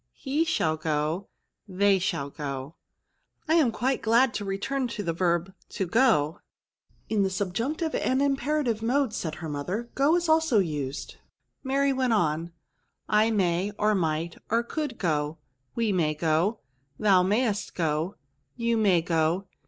He shall go. They shall go. ," I am quite glad to return to the verb to go." •" In the subjunctive and imperative modes," said her mother, " go is also used." Mary went on :—*' I may, or might, or could go, We may go. Thou mayest go. You may go.